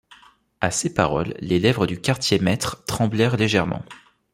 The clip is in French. À ces paroles, les lèvres du quartier-maître tremblèrent légèrement.